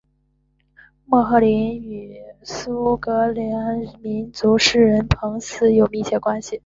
莫赫林与苏格兰民族诗人彭斯有密切关系。